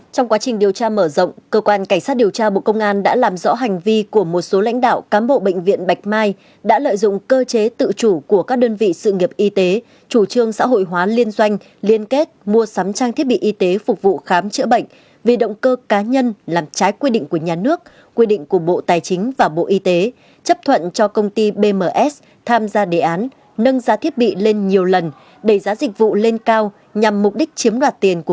trong quá trình điều tra mở rộng cơ quan cảnh sát điều tra bộ công an đã làm rõ hành vi của một số lãnh đạo cám bộ bệnh viện bạch mai đã lợi dụng cơ chế tự chủ của các đơn vị sự nghiệp y tế chủ trương xã hội hóa liên doanh liên kết mua sắm trang thiết bị y tế phục vụ khám chữa bệnh vì động cơ cá nhân làm trái quy định của nhà nước quy định của bộ tài chính và bộ y tế chấp thuận cho công ty bms tham gia đề án nâng giá thiết bị lên nhiều lần đẩy giá dịch vụ lên cao nhằm mục đích chiếm đoạt tiền của